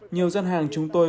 nhiều dân hàng chúng tôi